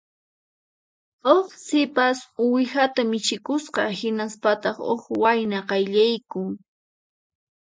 Huk sipassi uwihata michikusqa; hinaspataq huk wayna qayllaykun